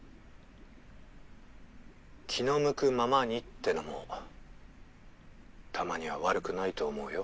気の向くままにってのもたまには悪くないと思うよ。